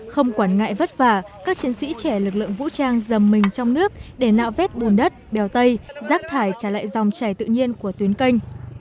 không quản ngại vất vả các chiến sĩ trẻ lực lượng vũ trang dầm mình trong nước để nạo vét bùn đất bèo tây rác thải trả lại dòng chảy tự nhiên của tuyến canh